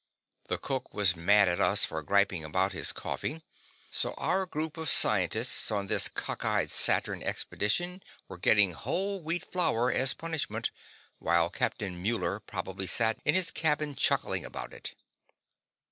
The cook was mad at us for griping about his coffee, so our group of scientists on this cockeyed Saturn Expedition were getting whole wheat flour as punishment, while Captain Muller probably sat in his cabin chuckling about it.